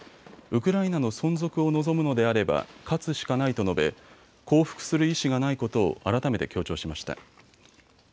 ウクライナの存続を望むのであれば勝つしかないと述べ降伏する意思がないことを改めて強調しました。